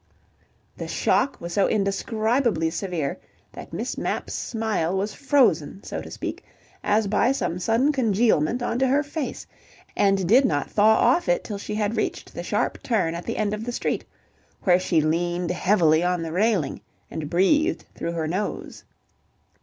The shock was so indescribably severe that Miss Mapp's smile was frozen, so to speak, as by some sudden congealment on to her face, and did not thaw off it till she had reached the sharp turn at the end of the street, where she leaned heavily on the railing and breathed through her nose.